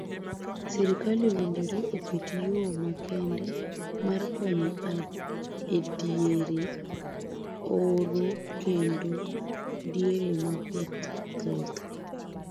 Sirikal owinjore oket yoo makende mar konyo ediere oro kendo diere ma koth thoth.